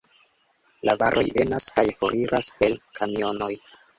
La varoj venas kaj foriras per kamionoj.